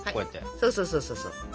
そうそうそう。